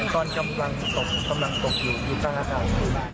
เห็นตอนกำลังตกกำลังตกอยู่อยู่ตั้งละครับ